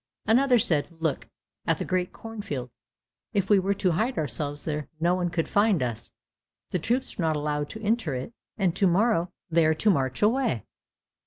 Another said, "Look at that great cornfield, if we were to hide ourselves there, no one could find us; the troops are not allowed to enter it, and to morrow they are to march away."